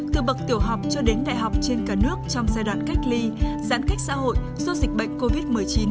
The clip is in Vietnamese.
từ bậc tiểu học cho đến đại học trên cả nước trong giai đoạn cách ly giãn cách xã hội do dịch bệnh covid một mươi chín